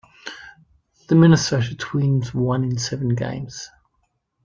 The Minnesota Twins won in seven games.